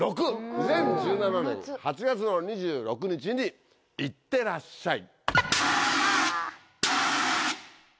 ２０１７年８月２６日にいってらっしゃい。